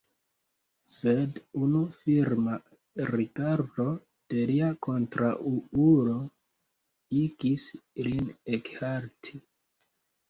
Sed unu firma rigardo de lia kontraŭulo igis lin ekhalti.